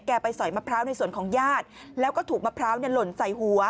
ไปสอยมะพร้าวในส่วนของญาติแล้วก็ถูกมะพร้าวหล่นใส่หัว